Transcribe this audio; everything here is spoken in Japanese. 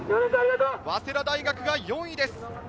早稲田大学が４位です。